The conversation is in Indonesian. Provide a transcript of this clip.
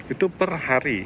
itu per hari